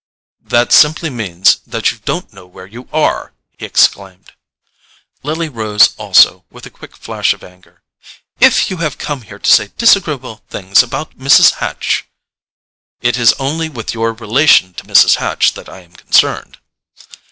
"That simply means that you don't know where you are!" he exclaimed. Lily rose also, with a quick flash of anger. "If you have come here to say disagreeable things about Mrs. Hatch——" "It is only with your relation to Mrs. Hatch that I am concerned."